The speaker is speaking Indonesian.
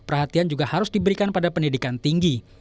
perhatian juga harus diberikan pada pendidikan tinggi